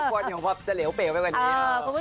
กลัวเดี๋ยวแบบจะเหลวเปลวไปกว่านี้